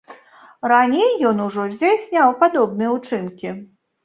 Раней ён ужо здзяйсняў падобныя ўчынкі.